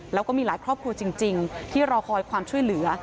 แล้วก็มีหลายครอบครัวจริงที่รอคอยความช่วยเหลือ